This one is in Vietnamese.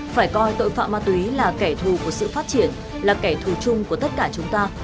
phải coi tội phạm ma túy là kẻ thù của sự phát triển là kẻ thù chung của tất cả chúng ta